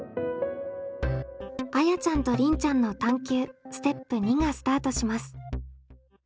あやちゃんとりんちゃんの探究ステップ２がスタートします。